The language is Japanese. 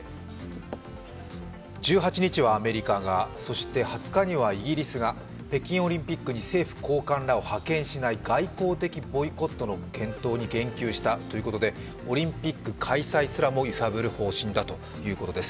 １８日はアメリカが、そして２０日にはイギリスが北京オリンピックに政府高官らを覇権しない外交的ボイコットの検討に言及したということでオリンピック開催すら揺さぶる報道だということです。